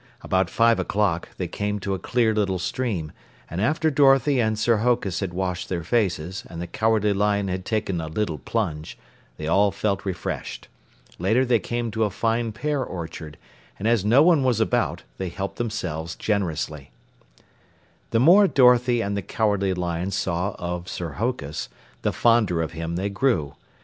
About five o'clock, they came to a clear little stream, and after Dorothy and Sir Hokus had washed their faces and the Cowardly Lion had taken a little plunge, they all felt refreshed. Later they came to a fine pear orchard, and as no one was about they helped themselves generously. The more Dorothy and the Cowardly Lion saw of Sir Hokus, the fonder of him they grew.